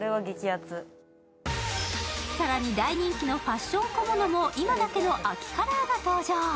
更に大人気のファッション小物も今だけの秋カラーが登場。